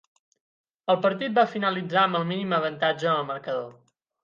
El partit va finalitzar amb el mínim avantatge en el marcador.